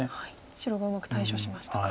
白がうまく対処しましたか。